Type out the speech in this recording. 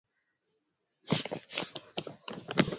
mtandao unatakiwa na kasi kubwa katika kuendesha programu maalum